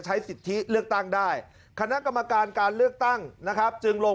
ใช้สิทธิเลือกตั้งได้คณะกรรมการการเลือกตั้งนะครับจึงลง